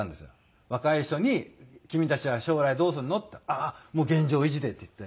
若い人に「君たちは将来どうするの？」って言ったら「ああもう現状維持で」って言って。